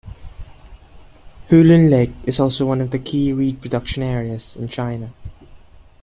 Hulun Lake is also one of the key reed production areas in China.